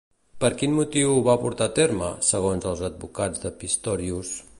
Per quin motiu ho va portar a terme, segons els advocats de Pistorius?